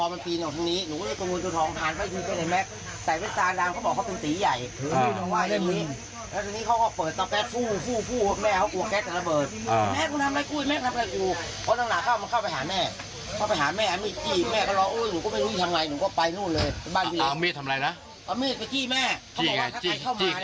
เอามีดจี้แม่เขาบอกว่าถ้าใครเข้ามา